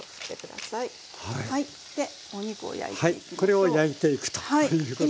これを焼いていくということですが。